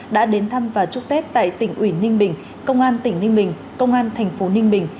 đã đến thăm và chúc tết tại tỉnh ủy ninh bình công an tỉnh ninh bình công an thành phố ninh bình